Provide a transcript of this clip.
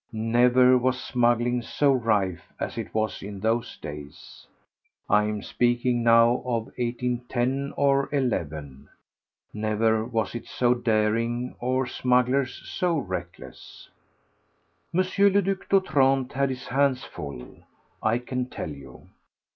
Never was smuggling so rife as it was in those days—I am speaking now of 1810 or 11—never was it so daring or smugglers so reckless. M. le Duc d'Otrante had his hands full, I can tell you.